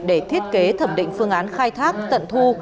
để thiết kế thẩm định phương án khai thác tận thu